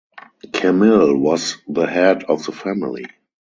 Camille was the head of the family.